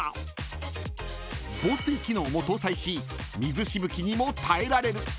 ［防水機能も搭載し水しぶきにも耐えられる］